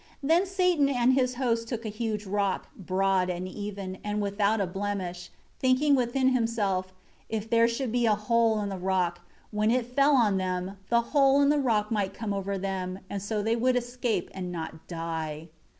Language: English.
5 Then Satan and his host took a huge rock, broad and even, and without blemish, thinking within himself, "If there should be a hole in the rock, when it fell on them, the hole in the rock might come over them, and so they would escape and not die."